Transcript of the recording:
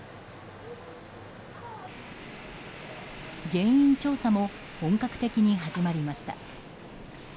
原因調査も本格的に始まりました。